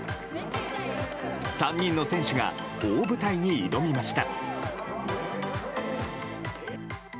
３人の選手が大舞台に挑みました。